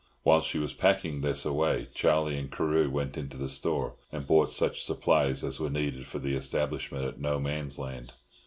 While she was packing this away, Charlie and Carew went into the store, and bought such supplies as were needed for the establishment at No Man's Land.